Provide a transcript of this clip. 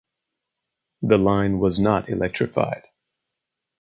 The line was not electrified.